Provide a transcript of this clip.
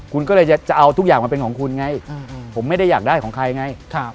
คุณก็เลยจะเอาทุกอย่างมาเป็นของคุณไงผมไม่ได้อยากได้ของใครไง